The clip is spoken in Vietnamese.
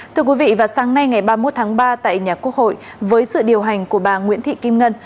thưa quý vị vào sáng nay ngày ba mươi một tháng ba tại nhà quốc hội với sự điều hành của bà nguyễn thị kim ngân